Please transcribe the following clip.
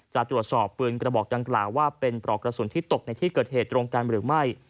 จะตรวจสอบปืนกระบอกดังกล่าวว่าเป็นปลอกกระสุนที่ตกในที่เกิดเหตุตรงกันหรือไม่